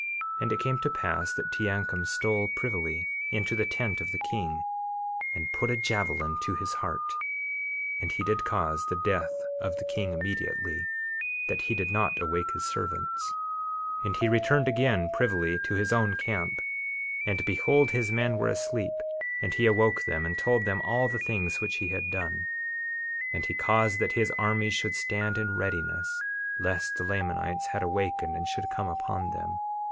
51:34 And it came to pass that Teancum stole privily into the tent of the king, and put a javelin to his heart; and he did cause the death of the king immediately that he did not awake his servants. 51:35 And he returned again privily to his own camp, and behold, his men were asleep, and he awoke them and told them all the things that he had done. 51:36 And he caused that his armies should stand in readiness, lest the Lamanites had awakened and should come upon them.